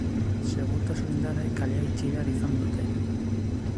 Segurtasun indarrek kalea itxi behar izan dute.